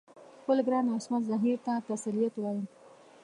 خپل ګران عصمت زهیر ته تسلیت وایم.